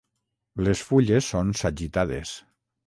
Les fulles són sagitades.